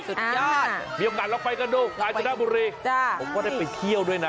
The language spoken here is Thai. สุดยอดมีโอกาสลองไปกันดูกาญจนบุรีผมก็ได้ไปเที่ยวด้วยนะ